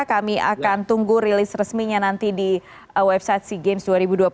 kami akan tunggu rilis resminya nanti di website sea games dua ribu dua puluh tiga